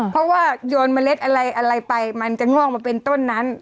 เพราะว่าโยนเมล็ดอะไรอะไรไปมันจะง่วงมาเป็นต้นนั้น